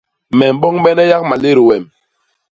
Me mboñbene yak malét wem.